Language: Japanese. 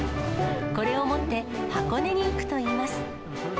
これを持って箱根に行くといいます。